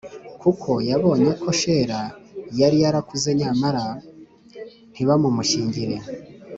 Kuko yabonye ko shela yari yarakuze nyamara ntibamumushyingire